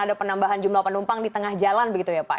ada penambahan jumlah penumpang di tengah jalan begitu ya pak